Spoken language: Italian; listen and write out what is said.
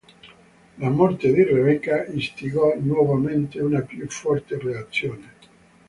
La morte di Rebecca istigò nuovamente una più forte reazione.